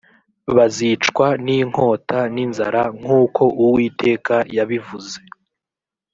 bazicwa n’inkota n’inzara nk’uko uwiteka yabivuze